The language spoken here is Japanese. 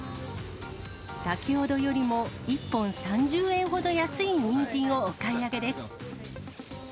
先ほどよりも１本３０円ほど安いニンジンをお買い上げです。